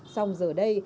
xong giờ đây